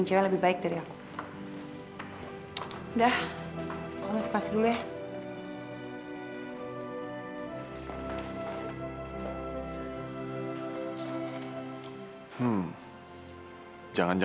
gila nih jak lama lama